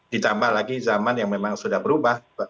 ditambah lagi zaman yang memang sudah berubah